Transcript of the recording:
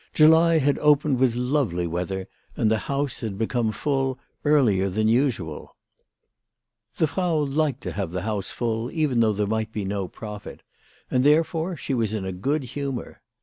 July had opened with lovely weather, and the house had become full earlier than usual. The Frau liked to have the house full, even though there might be no profit, and there WHY PRATJ PROHMANN EAISED HER PRICES. 41 fore she was in a good humour.